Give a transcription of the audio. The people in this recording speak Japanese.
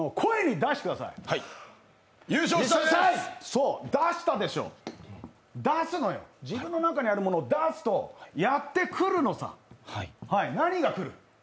そう、出したでしょ、出すの、自分の中にあるものを出すとやってくるのさ、何が来る？